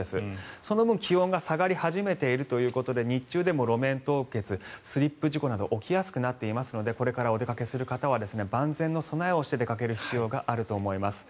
その分、気温が下がり始めているということで日中でも路面凍結スリップ事故など起きやすくなっていますのでこれからお出かけする方は万全の備えをして出かける必要があると思います。